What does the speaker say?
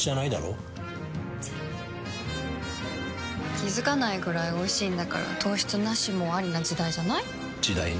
気付かないくらいおいしいんだから糖質ナシもアリな時代じゃない？時代ね。